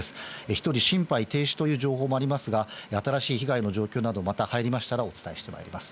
１人、心肺停止という情報もありますが、新しい被害の状況など、また入りましたら、お伝えしてまいります。